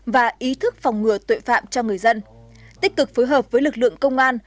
và ý thức phòng ngừa tội phạm cho người dân tích cực phối hợp với lực lượng công an